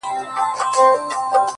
وړی يې له ځان سره په پور دی لمبې کوي _